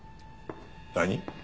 何？